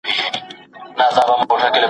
ايا له پلان پرته پرمختګ شوني دی؟